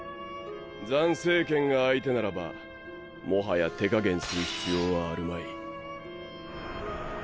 斬星剣が相手ならばもはや手加減する必要はあるまい。